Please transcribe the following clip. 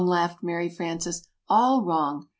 laughed Mary Frances. "All wrong!